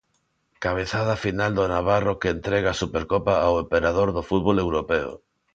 Cabezada final do navarro que entrega a Supercopa ao emperador do fútbol europeo.